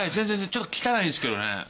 ちょっと汚いんですけどね。